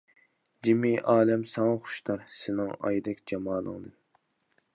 جىمى ئالەم ساڭا خۇشتار، سېنىڭ ئايدەك جامالىڭدىن.